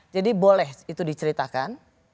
jadi boleh itu diceritakan